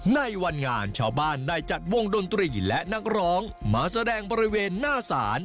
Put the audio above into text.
ในวันงานชาวบ้านได้จัดวงดนตรีและนักร้องมาแสดงบริเวณหน้าศาล